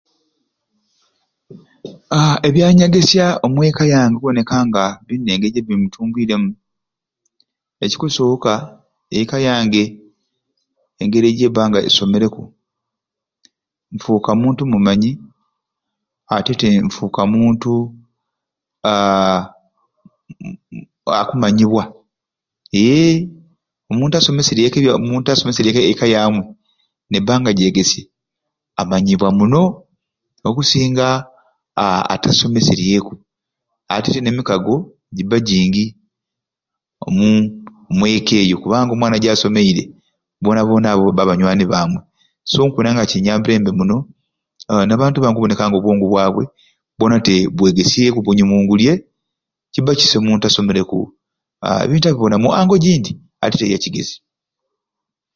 Aaa Ebyanyegesya omweka yange bikuboneka nga birina engeri gyebigitumbwiremu ekikusooka eka yange engeri gyebba nga esomereku nfuuka muntu mumanyi atete nfuuka muntu aaa akumanyibwa ee omuntu asomeseryeku omuntu omuntu asomeseryeku eka yamwe nebba nga gyegesye amanyibwa muno okusinga aa atasomeseryeku atete n'emikago gibba gingi omu omweka eyo kubanga omwana gyasomeire boona boona abo babba banywani bamwe so nkubona nga kunyambire mbe muno aa n'abantu bange okuboneka nga boona te okuboneka nga obwongu bwabwe bwegesyeku bunyumungulye kibba kisai omuntu asomeseibweku ebintu abikoora mu ango gindi ate ya kigezi.